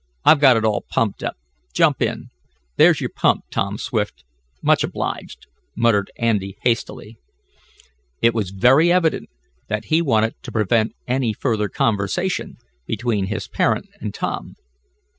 I've got it all pumped up. Jump in. There's your pump, Tom Swift. Much obliged," muttered Andy hastily. It was very evident that he wanted to prevent any further conversation between his parent and Tom.